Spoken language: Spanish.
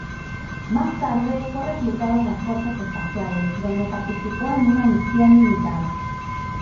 Más tarde, fue reclutado en las Fuerzas Especiales, donde participó en una misión militar.